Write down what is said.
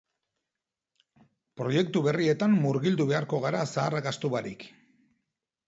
Proiektu berrietan murgildu beharko gara zaharrak ahaztu barik.